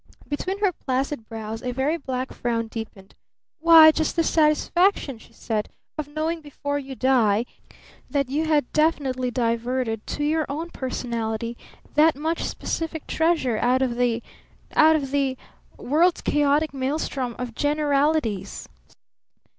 Between her placid brows a very black frown deepened. "Why, just the satisfaction," she said, "of knowing before you die, that you had definitely diverted to your own personality that much specific treasure out of the out of the world's chaotic maelstrom of generalities."